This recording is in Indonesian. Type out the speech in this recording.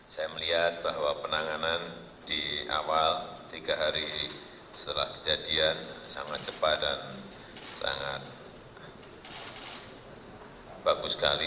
saya melihat bahwa penanganan di awal tiga hari setelah kejadian sangat cepat dan sangat bagus sekali